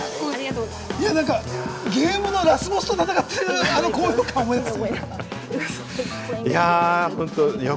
ゲームのラスボスと戦ってるような高揚感を思い出す。